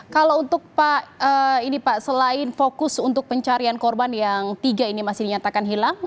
kalau untuk pak ini pak selain fokus untuk pencarian korban yang tiga ini masih dinyatakan hilang